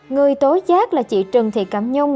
người tố giác là chị trần thị cảm nhung